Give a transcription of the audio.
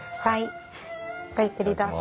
ごゆっくりどうぞ。